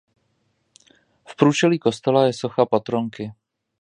V průčelí kostela je socha patronky.